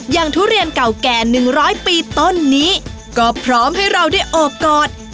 ทุเรียนเก่าแก่๑๐๐ปีต้นนี้ก็พร้อมให้เราได้โอบกอด